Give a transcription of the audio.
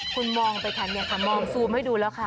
คุณมองไปค่ะเนี่ยค่ะมองซูมให้ดูแล้วค่ะ